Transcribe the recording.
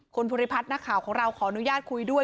คุณภูริพัฒน์นักข่าวของเราขออนุญาตคุยด้วย